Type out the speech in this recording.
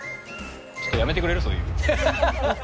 ちょっとやめてくれる、そういうの。